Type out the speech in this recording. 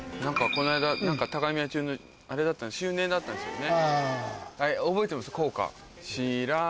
この間高宮中のあれだった周年だったんですよね。